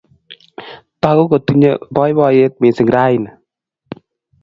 Tagu kotinye poipoiyet missing' raini